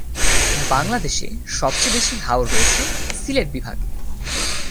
বাংলাদেশে সবচেয়ে বেশি হাওর রয়েছে সিলেট বিভাগে।